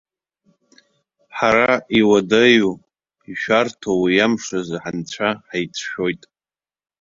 Ҳара, иуадаҩу, ишәарҭоу уи амш азы ҳанцәа ҳаицәшәоит.